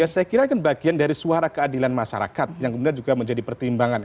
saya kira kan bagian dari suara keadilan masyarakat yang kemudian juga menjadi pertimbangan